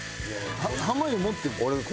濱家持ってるの？